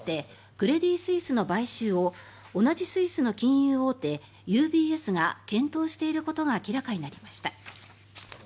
クレディ・スイスの買収を同じスイスの金融大手ＵＢＳが検討していることが明らかになりました。